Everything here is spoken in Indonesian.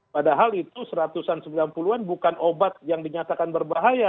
padahal itu seratusan sembilan puluhan bukan obat yang dinyatakan berbahaya